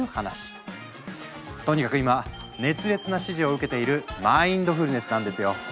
とにかく今熱烈な支持を受けているマインドフルネスなんですよ！